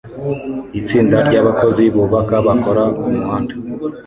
itsinda ryabakozi bubaka bakora kumuhanda